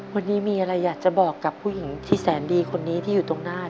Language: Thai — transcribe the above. วันนี้มีอะไรอยากจะบอกกับผู้หญิงที่แสนดีคนนี้ที่อยู่ตรงหน้า